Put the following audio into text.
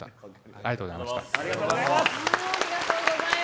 ありがとうございます。